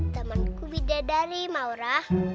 temanku beda dari maura